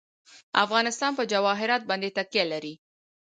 افغانستان په جواهرات باندې تکیه لري.